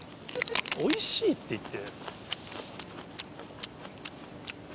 「おいしい」って言って。